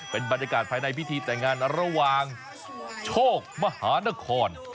เป็นบรรยากาศภายในพิธีแต่งงานระหว่างโชคมหานคร